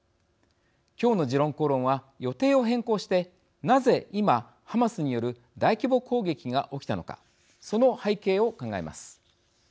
今日の「時論公論」は予定を変更してなぜ今ハマスによる大規模攻撃が起きたのかその背景を考えます。